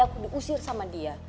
aku diusir sama dia